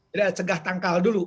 jadi ada cegah tangkal dulu